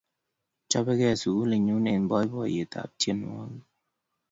chobegei sukulinyu eng poipoiyet ab tienwogik